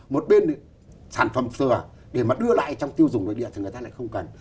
một bên thì sản phẩm dừa để mà đưa lại trong tiêu dùng nội địa thì người ta lại không cần